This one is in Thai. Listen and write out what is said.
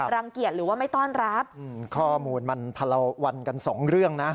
รังเกียจหรือว่าไม่ต้อนรับอืมข้อมูลมันพันละวันกันสองเรื่องนะ